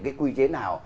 cái quy chế nào